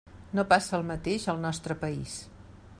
No passa el mateix al nostre país.